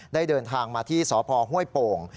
ได้เดินทางมาที่สพห้วยโป่ง